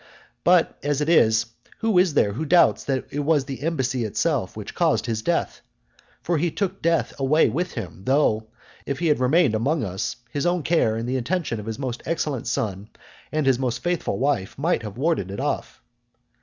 But, as it is, who is there who doubts that it was the embassy itself which caused his death? For he took death away with him; though, if he had remained among us, his own care, and the attention of his most excellent son and his most faithful wife, might have warded it off.